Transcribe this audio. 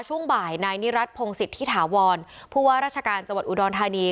ช่วงบ่ายนายนิรัติพงศิษฐิถาวรผู้ว่าราชการจังหวัดอุดรธานี